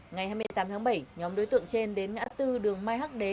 ngày hai mươi tám tháng bảy nhóm đối tượng trên đến ngã tư đường mai hắc đế